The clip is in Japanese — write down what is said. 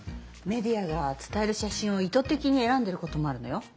メディアが伝える写真を意図てきに選んでいることもあるのよ。